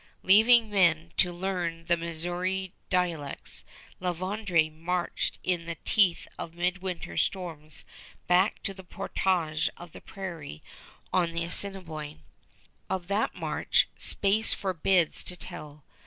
Leaving men to learn the Missouri dialects, La Vérendrye marched in the teeth of mid winter storms back to the Portage of the Prairie on the Assiniboine. Of that march, space forbids to tell.